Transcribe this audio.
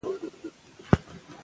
ښځې کار کولای سي.